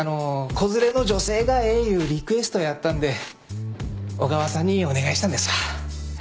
子連れの女性がええいうリクエストやったんで小川さんにお願いしたんですわ。